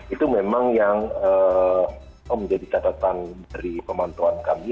itu memang yang menjadi catatan dari pemantauan kami